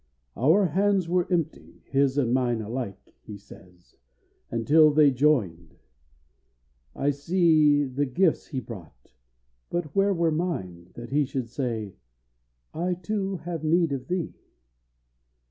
Our hands were empty, his and mine alike, He says until they joined. I see The gifts he brought; but where were mine That he should say "I too have need of thee?"